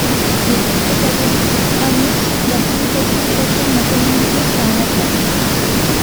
Les deux protagonistes annoncent la publication prochaine d'un communiqué sur un accord.